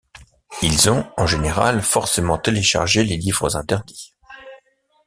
Ils ont, en général, forcément téléchargé les livres interdits.